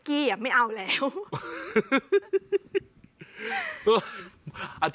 แก้ปัญหาผมร่วงล้านบาท